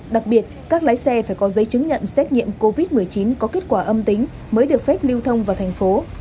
đặc biệt các lái xe phải có giấy chứng nhận xét nghiệm covid một mươi chín có kết quả âm tính mới được phép lưu thông vào thành phố